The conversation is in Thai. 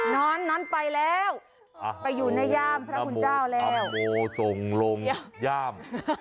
นอนไปแล้วไปอยู่ในย่ามพระคุณเจ้าแล้วโอ้โหส่งลงย่าม